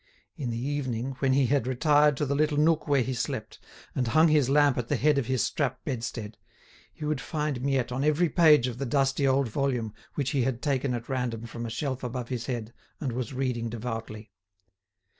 In the evening, when he had retired to the little nook where he slept, and hung his lamp at the head of his strap bedstead, he would find Miette on every page of the dusty old volume which he had taken at random from a shelf above his head and was reading devoutly.